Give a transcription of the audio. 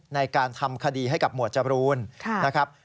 ในการทำคดีให้กับหมวดจรูนนะครับ